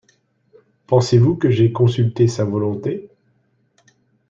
Pensez-vous que j’aie consulté sa volonté ?